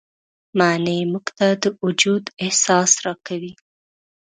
معنی موږ ته د وجود احساس راکوي.